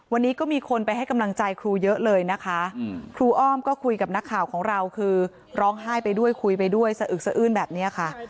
วันนี้ก็มีคนไปให้กำลังใจครูเยอะเลยนะคะครูอ้อมก็คุยกับนักข่าวของเราคือร้องไห้ไปด้วยคุยไปด้วยสะอึกสะอื้นแบบนี้ค่ะ